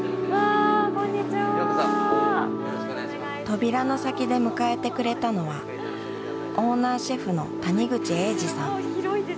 扉の先で迎えてくれたのはオーナーシェフの谷口英司さん。